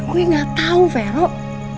gue gak tau farouk